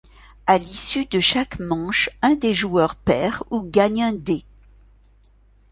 À l'issue de chaque manche un des joueurs perd ou gagne un dé.